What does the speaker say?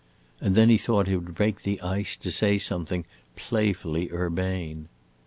And then he thought it would break the ice to say something playfully urbane.